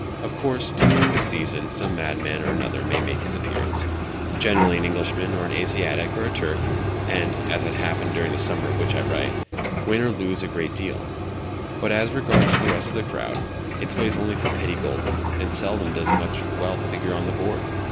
Of course, during the season, some madman or another may make his appearance—generally an Englishman, or an Asiatic, or a Turk—and (as had happened during the summer of which I write) win or lose a great deal; but, as regards the rest of the crowd, it plays only for petty gülden, and seldom does much wealth figure on the board.